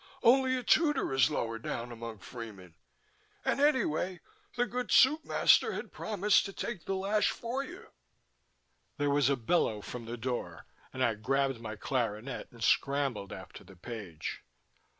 Only a tutor is lower down among freemen. And anyway, the good Soup master had promised to take the lash for you." There was a bellow from the door, and I grabbed my clarinet and scrambled after the page.